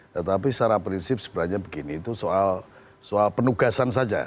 tetapi secara prinsip sebenarnya begini itu soal penugasan saja